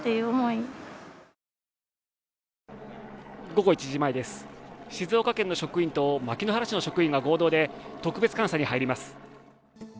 午後１時前です、静岡県の職員と牧之原市の職員が合同で特別監査に入ります。